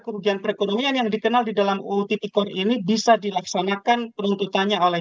kerugian perekonomian yang dikenal di dalam uu tpkor ini bisa dilaksanakan penuntutannya oleh